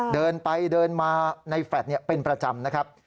เดินไปเดินมาในแฟลต์เป็นประจำนะครับ